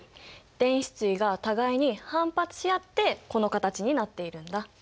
電子対が互いに反発し合ってこの形になっているんだ。